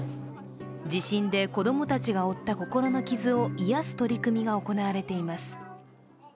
地震で子供たちが負った心の傷を癒やす取り組みが行われています。